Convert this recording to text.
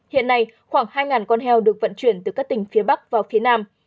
hiện nay khoảng hai con heo được vận chuyển từ các tỉnh phía bắc vào phía nam